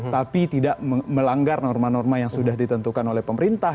tapi tidak melanggar norma norma yang sudah ditentukan oleh pemerintah